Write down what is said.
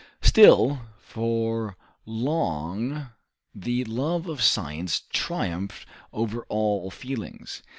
Still, for long the love of science triumphed over all other feelings.